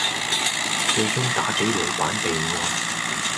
最終打俾老闆備案